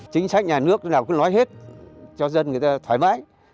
chính sách nhà nước nào cứ nói hết cho dân người ta thoải mái